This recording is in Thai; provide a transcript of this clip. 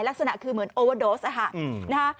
ลักษณะคือเหมือนโอวาโดสนะคะ